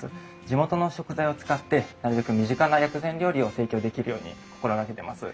地元の食材を使ってなるべく身近な薬膳料理を提供できるように心がけてます。